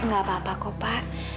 gak apa apa kopar